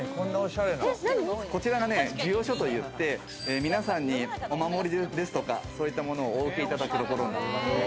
こちらが授与所といって皆さんにお守りですとか、そういったものをお受けいただくところになります。